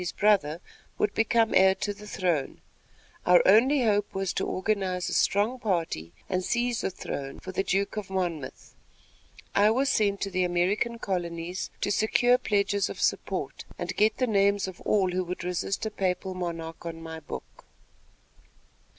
his brother, would become heir to the throne. Our only hope was to organize a strong party and seize the throne for the Duke of Monmouth. I was sent to the American colonies to secure pledges of support, and get the names of all who would resist a papal monarch on my book.